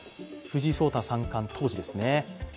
藤井聡太三冠、当時ですね